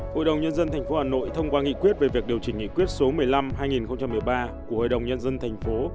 hội đồng nhân dân tp hà nội thông qua nghị quyết về việc điều chỉnh nghị quyết số một mươi năm hai nghìn một mươi ba của hội đồng nhân dân thành phố